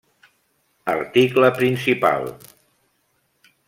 Article principal.